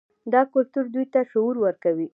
دا کلتور دوی ته شعور ورکوي.